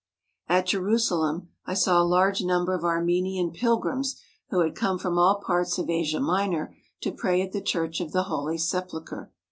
At Jerusalem I saw a large number of Armenian pil grims who had come from all parts of Asia Minor to pray at the Church of the Holy Sepulchre.